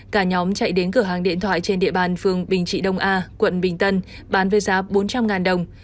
cả nhóm chạy đến cửa hàng điện thoại trên địa bàn phường bình trị đông a quận bình tân bán với giá bốn trăm linh đồng